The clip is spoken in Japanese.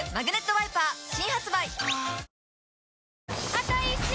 あと１周！